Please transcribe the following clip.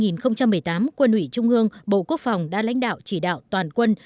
năm hai nghìn một mươi tám quân ủy trung ương bộ quốc phòng đã lãnh đạo chỉ đạo toàn quân